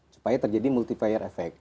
supaya terjadi multiplier effect